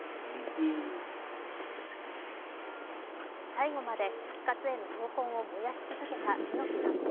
最期まで復活への闘魂を燃やし続けた猪木さん。